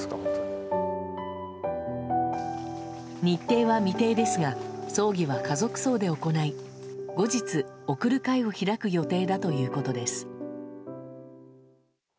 日程は未定ですが葬儀は家族葬で行い後日、送る会を開く予定だということです。